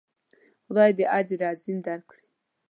خدای دې اجر عظیم ورکړي.